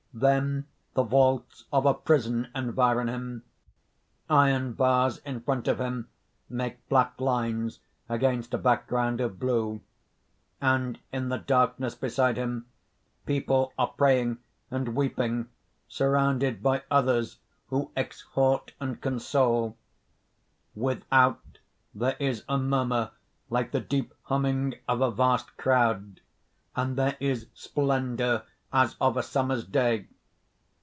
_ _Then the vaults of a prison environ him. Iron bars in front of him make black lines against a background of blue; and in the darkness beside him people are praying and weeping surrounded by others who exhort and console._ [Illustration: ... and in the darkness beside him people are praying] _Without, there is a murmur like the deep humming of a vast crowd, and there is splendour as of a summer's day.